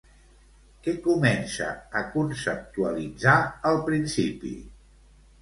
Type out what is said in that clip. Què comença a conceptualitzar al principi?